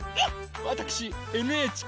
わたくしＮＨＫ